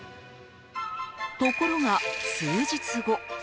ところが、数日後。